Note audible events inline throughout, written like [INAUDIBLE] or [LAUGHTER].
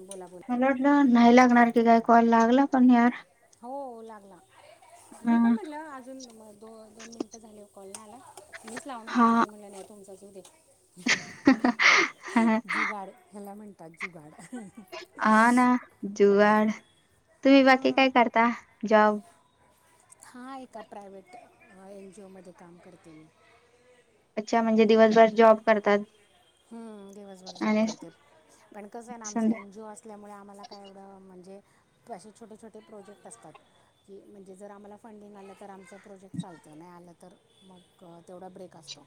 बोला बोला मला वाटलं नाही लागणार की काय कॉल लागलं पण या हो लागला. हा मी पण म्हटलं अजून दो दोन मिनिटं झाले हो कॉल लागला. मीच लावणार हा होती पण म्हणलं नाही तुमचाच येऊदे. हा जुगाड ह्याला म्हणतात जुगाड हा ना जुगाड. तुम्ही बाकी हं, काय करता जॉब? हा एका प्रायव्हेट एन जी ओ मध्ये काम करते मी. अच्छा, म्हणजे दिवसभर जॉब करतात. हम्म. दिवसभर जॉब आणि करत. पण कसं आहे ना आमच संध्या एन जी ओ अस ल्यामुळे आम्हाला काय एवढं म्हणजे असे छोटे छोटे प्रोजेक्ट असतात. की म्हणजे जर आम्हाला फंडिंग आलं तर आमचं प्रोजेक्ट चालतं. नाही आलं तर मग तेवढा ब्रेक असतो.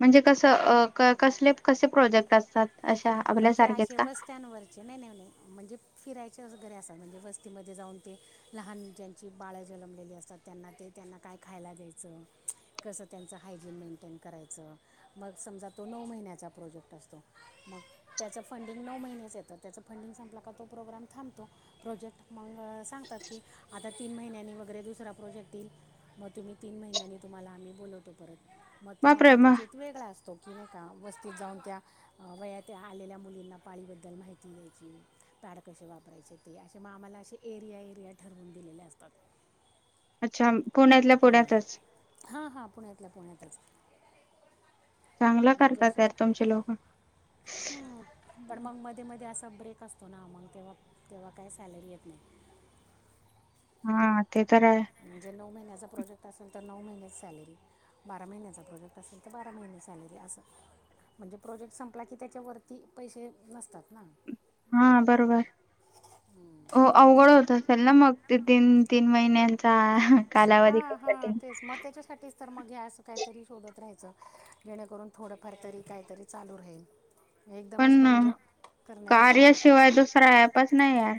म्हणजे कसं कसले कसे प्रोजेक्ट असतात? अशा म्हणजे आपल्यासारखेच असे का वस्त्यांवर नाही नाही म्हणजे फिरायचे अस घरे असा म्हणजे वस्तीमध्ये जाऊन ते लहान जे जी बाळं जन्मलेली असतात. त्यांना ते त्यांना काय खायला द्यायचं. कसं त्यांचं हायजीन मेंटेन करायचं. मग समजा तो नऊ महिन्याचा प्रोजेक्ट असतो मग, त्याचं फंडिंग नऊ महिन्याच येतं. त्याचं फंडिंग संपला का तो प्रोग्राम थांबतो. प्रोजेक्ट मग सांगतात की, आता तीन महिन्यांनी वगैरे दुसरा प्रोजेक्ट येईल. मग तुम्ही तीन महिन्यांनी तुम्हाला आम्ही बोलवतो परत मग तेव्हा बापरे मग कदाचित वेगळा असतो. की नाही का वस्तीत जाऊन त्या वयात त्या आलेल्या मुलींना पाळीबद्दल माहिती घ्यायची. पॅड कसे वापरायचे ते असे मग आम्हाला असे एरिया एरिया ठरवून दिलेले असतात. अच्छा, पुण्यातल्या हं. पुण्यातच. हां हां पुण्यातला पुण्यातच. चांगलं म्हणजे करतात असं यार तुमचे लोक. हं. पण मग मध्ये मध्ये असा ब्रेक असतो ना. मग तेव्हा तेव्हा काय सॅलरी येत नाही. हा ते तर आहे. म्हणजे नऊ महिन्याचा प्रोजेक्ट असेल तर नऊ महिनेच सॅलरी. बारा महिन्याचा प्रोजेक्ट असेल तर बारा महिने सॅलरी असं. म्हणजे प्रोजेक्ट संपला की त्याच्या वरती पैसे येत नसतात ना. हा बरोबर. हो. अवघड होत असेल ना मग, ते तीन तीन महिन्यांचा. हा कालावधी कसा हा ते. तेच. म त्याच्यासाठीच तर मग हे असं काहीतरी शोधत राहायचं जेणेकरून थोडंफार तरी काहीतरी. चालू राहील. पण एकदमच बंद करण्यापेक्षा नाही कार्याशिवाय का दुसरा ॲपच नाहीये यार.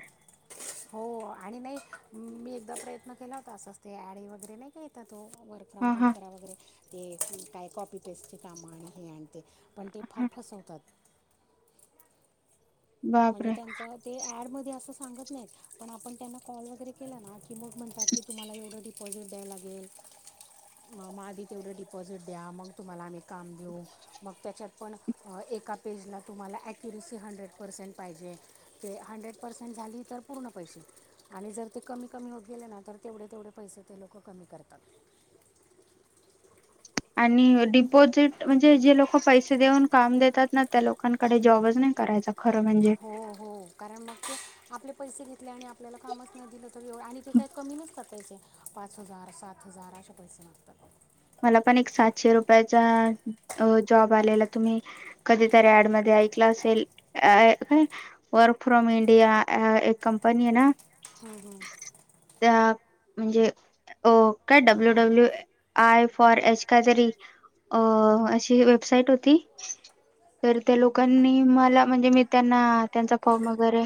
हो आणि नाही मी एकदा प्रयत्न केला होता असंच ते याडी वगैरे नाही का येतात ओ व र्क फ्रॉम ह होम ह करा वगैरे ते काय कॉपी पेस्टची कामं आणि हे आण ते पण ते फार ह फसवतात. म्हणजे बापरे त्यांचं ते ऍडमध्ये असं सांगत नाहीत पण आपण त्यांना कॉल वगैरे केला ना की मग म्हणतात. की तुम्हाला एवढं डिपॉझिट द्यायं लागेल. म म आधी तेवढं डिपॉझिट द्या, मग तुम्हाला आम्ही काम देऊ मग त्याच्यात पण अ एका पेजला तुम्हाला ऍक्युरेसी हंड्रेड पर्सेंट. पाहिजे ते हंड्रेड पर्सेंट झाली तर पूर्ण पैसे. आणि जर ते कमी कमी होत गेले ना तर तेवढे तेवढे पैसे ते लोक कमी करतात. आणि डिपॉजिट म्हणजे जे लोक पैसे देऊन काम देतात ना त्या लोकांकडे जॉबच नाही करायचा. खरं म्हणजे. हो हो कारण मग ते आपले पैसे घेतले आणि आपल्याला कामच नही दिलं तरी एवढं, आणि ते काय कमी नहीत का पैसे. पाच हजार सात हजार असे पैसे मागतात. मला पण एक सातशे रुपयाचा अ जॉब आलेला तुम्ही कधीतरी ऍड मध्ये ऐकलं असेल अ काय वर्क फ्रॉम इंडिया आ एक कंपनी हे ना. हूं हूं! त्या म्हणजे अ काय W W I for H कायतरी अ अशी वेबसाईट होती. तर त्या लोकांनी मला म्हणजे मी त्यांना त्यांचा फॉर्म वगैरे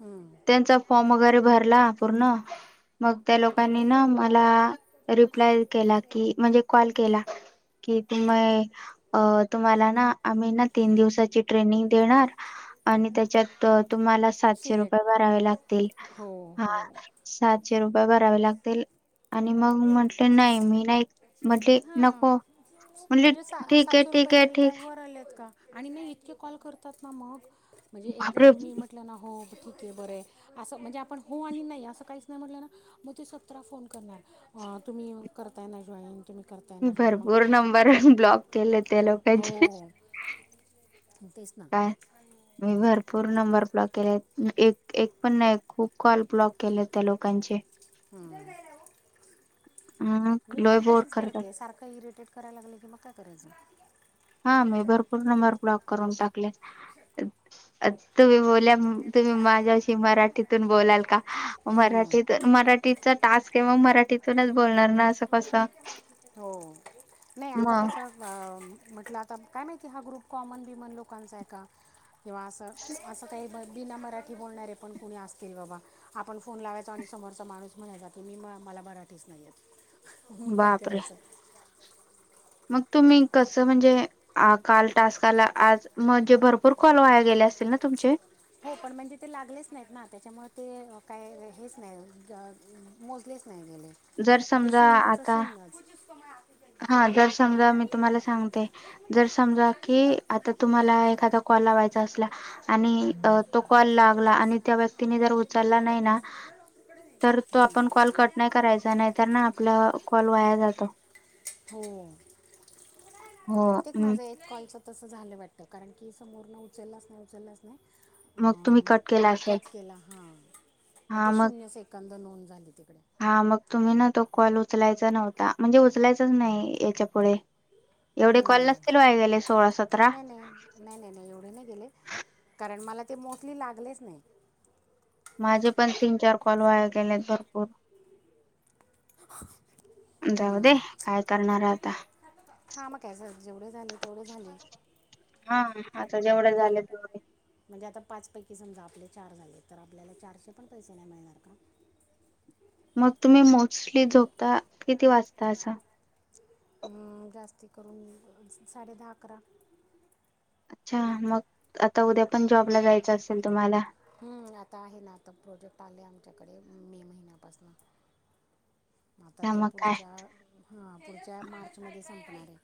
हूं! त्यांचा फॉर्म वगैरे भरला पूर्ण मग त्या लोकांनी ना मला रिप्लाय केला की म्हणजे कॉल केला. कि तुमही अ तुम्हाला ना आम्ही ना तीन दिवसाची ट्रेनिंग देणार. आणि त्याच्यात त तुम्हाला सातशे रुपये सिलेक्ट भरावे लागतील हो हा. हो सातशे रुपये भरावे लागतील आणि मग म्हंटले नाही मी नाही म्हटले हा नको म्हटले म्हणजे सा ठीक आहे सातशे रुपये ठीक आहे तरी ठीक काय वर आलेत का. आणि ना इतके कॉल करतात ना मग म्हणजे एकदा बापरे तुम्ही म्ह टलं ना हो ठीक हे बरं हे असं म्हणजे आपण हो आणि नाही असं काहीच नाही म्हटलं ना. म ते सतरा फोन करणार अ तुम्ही करताय ना जॉईन. तुम्ही करताय मी ना जॉईन मग भरपूर नंबरन ब्लॉक केलेत. हो तेच. ना काय? मी भरपूर नंबर ब्लॉक केले एक एक पण नाही खूप कॉल ब्लॉक केले त्या लोकांचे. हम मी लोय पण बोर तसच करतात करते सारख इरिटेट करायला लागले की मग काय करायचं. हा मी भरपूर नंबर ब्लॉक करून टाकले. अत तुम्ही बोल्या तुम्ही माझ्याशी मराठीतून बोलाल का? हम्म. मराठीत मराठीचा टास्क हे मं मराठीतूनच बोलणार ना असं कसं. हो नही आता मग कस. हा, म्हटलं आता काय माहिती, हा ग्रुप कॉमन बिमन लोकांचा आहे का? किंवा असं, असं काही ब बिना मराठी बोलणारे पण कुणी असतील बाबा. आपण फोन लावायचो आणि समोरचा माणूस म्हणायचा की, मी मला मराठीच नाहीयेत. बापरे. मग तुम्ही कसं म्हणजे- आ काल टास्क आला, आज म्हणजे भरपूर कॉल वाया गेले असतील ना, तुमचे? हो, पण म्हणजे ते लागलेच नाहीत ना, त्याच्यामुळे ते काय हेच नाही, अ- मोजलेच नाही मी नीट, जर मग ते समजा शून्याच आता शून्यच. हा, जर समजा मी तुम्हाला सांगते- जर समजा की, आता तुम्हाला एखादा कॉल लावायचा असला- आणि तो कॉल लागला आणि त्या व्यक्तीने जर उचलला नाही ना- तर तो आपण कॉल कट नाही करायचा, नाही तर ना आपला कॉल वाया जातो. हो, हो बहुतेक हम्म. माझा एक कॉलचा- तसं झालं वाटतं. कारण की, समोर न उचललाच नाही, उचललाच नाही. मग हा, तुम्ही कट मग केला मी असेल कट केला हा, मग ते शून्य- इकडन नोंद झाली तिकडे. हा, मग तुम्ही ना तो कॉल उचलायचा नव्हता, म्हणजे उचलायचाच नाही याच्या पुुढे. एवढे कॉल हम्म. नसतील वाया गेले सोळा, सतरा? नाही नाही नाही, नाही, नाही, एवढे नाही गेले कारण, मला ते मोस्टली लागलेच नाहीत. माझे पण तीन, चार कॉल वाया गेलेत भरपूर. जाऊदे, हम्म. काय करणार आता. हा, मग काय झालं, जेवढे झाले तेवढे झाले. हा, आता जेवढे झालेत तेवढे. म्हणजे, आता पाच पैकी समजा आपले चार झाले तर, आपल्याला चारशे पण पैसे नाही मिळणार का? मग, तुम्ही मोस्टली झोपता किती वाचता असा? ह्ं, जास्ती करून साडे दहा, अकरा. अच्छा, मग आता उद्या पण जॉबला जायचं असेल तुम्हाला? हम्म, आता आहे ना, आता प्रोजेक्ट आले आमच्याकडे मे महिन्यापासनं. आता ते मग काय पुढच्या हा, पुढच्या मार्च मध्ये संपणार आहे.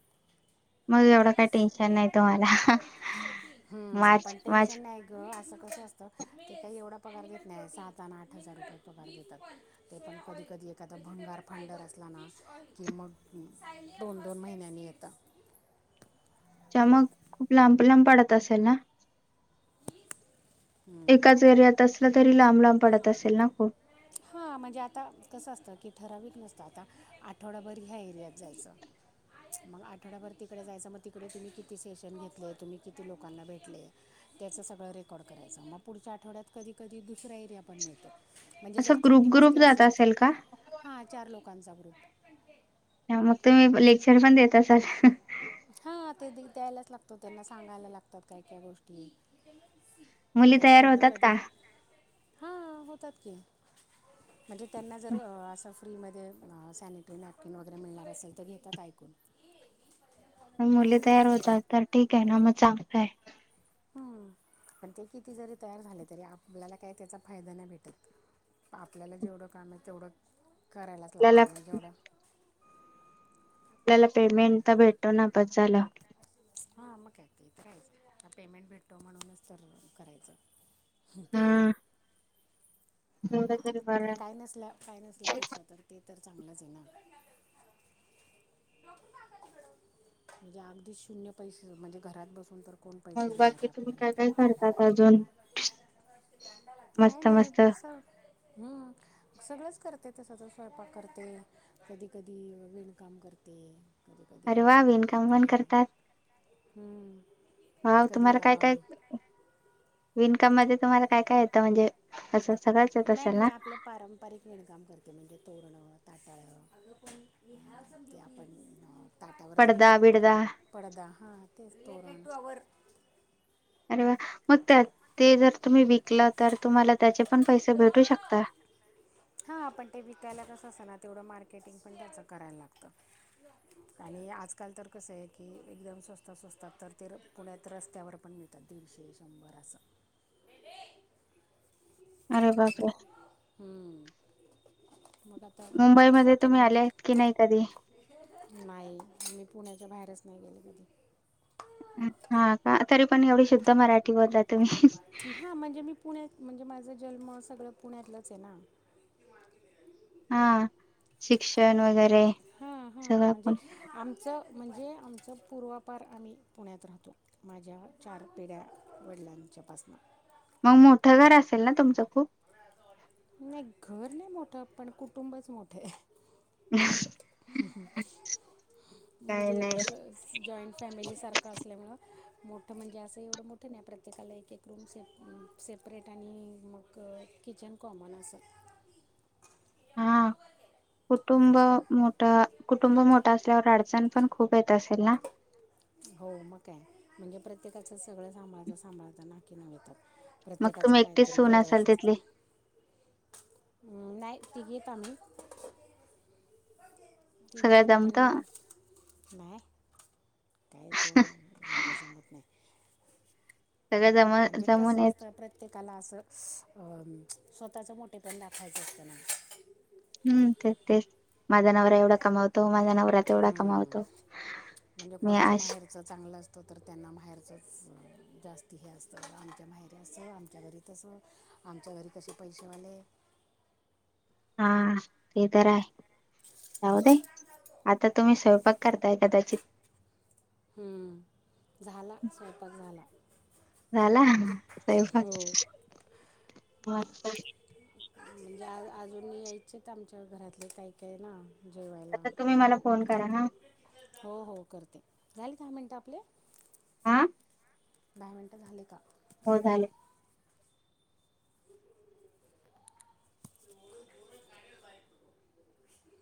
मग एवढं काय टेन्शन नाही तुम्हाला [UNINTELLIGIBLE] हम्म, मार्च पण टेन्शन मार्च नाही. अग, असं कसं असतं, ते काही एवढा पगार घेत नाही सात आणि आठ हजार रुपये पगार देतात ते. ते पण कधी, कधी- एखादा भंगार [UNINTELLIGIBLE] असला ना, की मग दोन, दोन महिन्यांनी येतं. अच्छा, मग खूप लांब, लांब पडत असेल ना? हम्म. एकाच एरीयात असलं तरी लांब, लांब पडत असेल ना खूप? हा, म्हणजे आता कसं असतं की, ठराविक नसतं आता आठवडाभर ह्या एरियात जायचं. मग आठवड्याभर तिकडे जायचं, मग तिकडे तुम्ही किती सेशन घेतलेय, तुम्ही किती लोकांना भेटले- त्याचं सगळं रेकॉर्ड करायचं, मग पुढच्या आठवड्यात कधी, कधी दुसरा एरिया पण मिळतं. म्हणजे जर असं छोटी ग्रुप ग्रुप वस्ती जात असेल तर, का हा चार लोकांचा ग्रुप. त्यामुळं तुम्ही, लेक्चर पण देत असाल? हा, ते दे द्यायलाच लागतात, त्यांना सांगायला लागतात काय, काय गोष्टी. मुली तयार होतात का? हा, होतात की, म्हणजे त्यांना जर असं- फ्रीमध्ये अ, सॅनिटरी नॅपकिन वगैरे मिळणार असेल तर, घेतात ऐकून. पण मुली तयार होतात, तर ठीक आहे ना, मग चांगलय. हम्म पण ते किती जरी तयार झाले तरी, आपल्याला काही त्याचा फायदा नाही भेटत. आपल्याला जेवढं काम आहे तेवढं करायलाच आपल्याला लागतात कारण जेवढ्या त्याला पेमेंट तर भेटतो ना, बस झालं. हा मग काय, पेमेंट भेटतो म्हणूनचं तर करायचं. हम्म. हम म्हणजे बरं काय नसल्या काय नसल्यापेक्षा तर ते तर चांगलंच आहे ना. म्हणजे अगदीच शून्य पैसं म्हणजे घरात बसून तर कोण पैसे मग देणारे बाकी तुम्ही आपल्याला? काय काय करतात अजून काही मस्त नाही, मस्त स हम्म. सगळंच करते तसं तर स्वयंपाक करते, कधी कधी विणकाम करते. कधी, कधी अरे वा एम्ब्रॉयडरी विणकाम करते, पण करतात हम्म. हा, तुम्हाला काय काय येतं विनकाम मध्ये तुम्हाला काय काय येतं म्हणजे [UNINTELLIGIBLE] नाही मी ना आपलं पारंपरिक विणकाम करते म्हणजे तोरणं, ताटाळं, ते आपण ताटावर पडदा, झाकतो नाही का विडदा पडदा, हा तेच तोरण. अरे वा, मग त्यात ते जर तुम्ही विकलं तर तुम्हाला त्याचे पण पैसे भेटू शकता. हा, आपण ते विकायला कसं असतं ना तेवढं मार्केटिंग पण त्याचं करायला लागतं. आणि आजकाल तर कसं आहे की, एकदम स्वस्तात, स्वस्तात तर ते पुण्यात रस्त्यावर पण मिळत. तर ते दिडशे, शंभर असं. दिदे. अरे बाप रे. हम्म, मग आता मग कसं मुंबईमध्ये होतं ना तुम्ही मग आले आहेत की नाही कधी नाही, मी पुण्याच्या बाहेरच नाही गेले कधी. हा, कार तरी पण एवढी शी हा म्हणजे मी पुण्यात, म्हणजे माझ जन्म सगळं पुण्यातलंच आहे ना. हा, शिक्षण वगैरे हां, हां सगळं म्हणजे पण आमचं, म्हणजे आमचं पूर्वापार आम्ही पुण्यात राहतो. माझ्या चार पिढ्या वडिलांच्या पासनं. मग मोठं घर असेल ना तुमचं खूप. नाही घर नाही मोठं, पण कुटुंबच मोठं आहे. [UNINTELLIGIBLE] काय म्हणजे नाही असच. जॉईंट फॅमिली सारखं असल्यामुळं, मोठं म्हणजे असं एवढं मोठं नाही प्रत्येकाला एक एक रूम सेप, सेपरेट आणि मग किचन कॉमन असं. हा कुटुंब मोठ कुटुंब मोठं असल्यावर अडचण पण खूप येत असेल ना? हो मग का म्हणजे प्रत्येकाचं सगळं सांभाळता सांभाळाच नाकी न मिळतात. मग प्रत्येकाचं तुम्ही एकटीच काहीतरी सून असाल वेगळंच असतं तिथली नाही ती घेत आम्ही. ती सगळं घेत जमत पण बाय. काय कोण एवढं जमत नाही. सगळं जम म्हणजे जमून कसं येत असतं प्रत्येकाला असं स्वतःचं मोठेपण दाखवायचं असतं ना. हम् तेच तेच माझा नवरा एवढा कमाव तो माझा नवरा तेवढा हम्म. कमावतो म्हणजे मी कोणाचं आशी माहेरचं चांगलं असतं तर त्यांना माहेरचंच जास्ती हे असतं आमच्या माहेरी असं आमच्या घरी तसं आमच्या घरी कसे पैसेवाले हा ते तर आहे जाऊ दे. आता तुम्ही स्वयंपाक करताय कदाचित हम्म, झाला स्वयंपाक झाला. झाला, स्वयंपाक. हो [UNINTELLIGIBLE] म्हणजे आं अजून यायचेत आमच्या घरातले काय काय ना. जेवायला. आता तुम्ही मला फोन करा हा हो हो करते झाले दहा मिनटं आपले? हं दहा मिनटं झाले का? हो झाले.